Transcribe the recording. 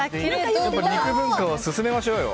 肉文化を進めましょうよ。